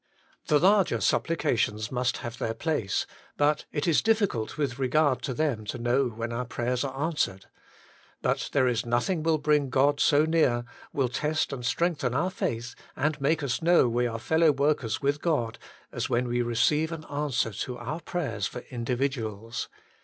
The larger supplications must have their place, but it is difficult with regard to them to know when our prayers are answered. But there is nothing will bring God so near, will test and strengthen our faith, and make us know we are fellow workers with God, as when we receive an answer to our prayers for individuals.